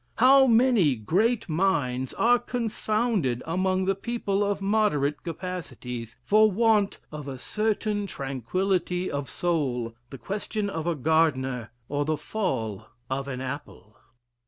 How many great minds are confounded among the people of moderate capacities for want of a certain tranquillity of soul, the question of a gardener, or the fall of an apple!"